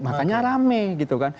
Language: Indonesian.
makanya rame gitu kan